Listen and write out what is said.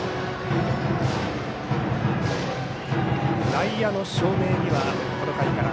内野の照明にはこの回から